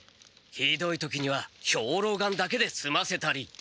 ひどい時には兵糧丸だけですませたり。